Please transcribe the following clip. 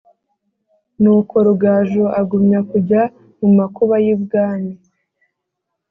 nuko rugaju agumya kujya mu makuba y'ibwami,